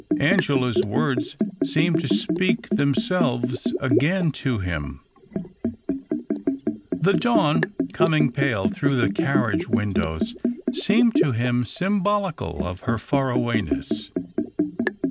Angela's words seemed to speak themselves again to him. The dawn, coming THE OCTAVE OF CLAUDIUS. 273 pale through the carriage windows, seemed to him symbolical of her farawayuess.